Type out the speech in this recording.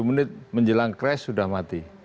sepuluh menit menjelang crash sudah mati